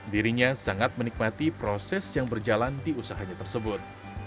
dirinya sangat menikmati proses yang berjalan di usahanya tersebut